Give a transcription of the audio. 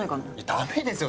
ダメですよ